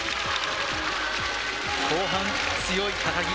後半、強い、高木。